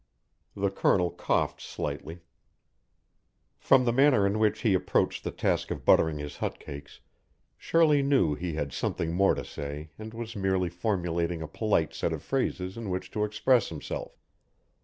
The Colonel coughed slightly. From the manner in which he approached the task of buttering his hot cakes Shirley knew he had something more to say and was merely formulating a polite set of phrases in which to express himself.